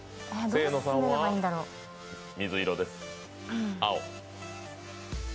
清野さんは水色です、青。